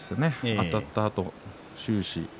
あたったあと終始。